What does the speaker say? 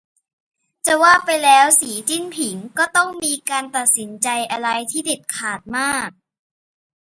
จะว่าไปแล้ว สี จิ้นผิง ก็ต้องมีการตัดสินใจอะไรที่เด็ดขาดมาก